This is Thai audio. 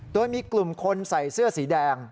โดยมีกลุ่มคนใส่เสื้อสีแดง